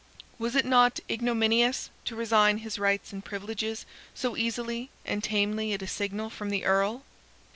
Was it not ignominious to resign his rights and privileges so easily and tamely at a signal from the Earl?